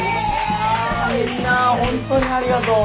みんなホントにありがとう。